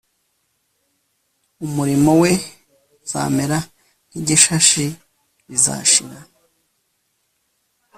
umurimo we uzamera nk'igishashi, bizashira